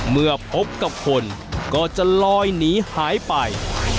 เมื่อพบกับคนก็จะลอยหนีหายไป